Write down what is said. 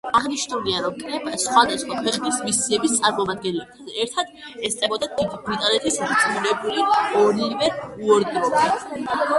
აღნიშნულია, რომ კრებას, სხვადასხვა ქვეყნის მისიების წარმომადგენლებთან ერთად, ესწრებოდა დიდი ბრიტანეთის რწმუნებული ოლივერ უორდროპი.